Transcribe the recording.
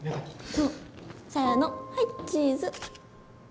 せのはいチーズ。